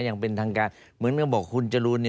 อย่างเป็นทางการเหมือนกันบอกคุณจรูน